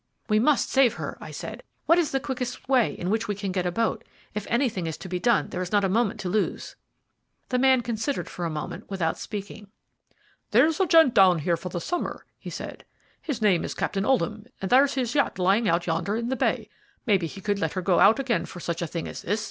"We must save her," I said. "What is the quickest way in which we can get a boat? If anything is to be done, there is not a moment to lose." The man considered for a moment, without speaking. "There's a gent down here for the summer," he said. "His name is Captain Oldham, and there's his yacht lying out yonder in the bay. Maybe he would let her go out again for such a thing as this.